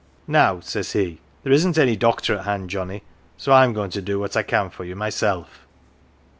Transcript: ' Now, 1 says he, ' there isn^ any doctor at hand, Johnnie, so Fin going to do what I can for you myself.